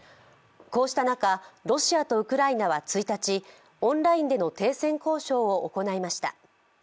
こうした中、ロシアとウクライナは１日オンラインでの停戦交渉を行いました。